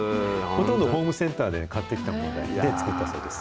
ほとんどホームセンターで買ってきたもので作ったそうです。